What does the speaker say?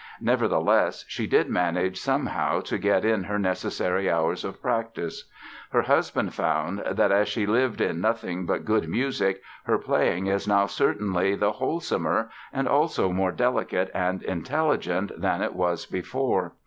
Nevertheless she did manage somehow to get in her necessary hours of practice. Her husband found that "as she lives in nothing but good music her playing is now certainly the wholesomer and also more delicate and intelligent than it was before.